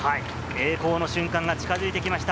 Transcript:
栄光の瞬間が近づいてきました。